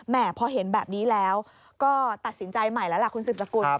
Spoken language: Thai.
พอเห็นแบบนี้แล้วก็ตัดสินใจใหม่แล้วล่ะคุณสืบสกุล